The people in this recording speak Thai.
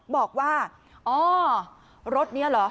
บอกว่าอ๋อรถนี้เหรอ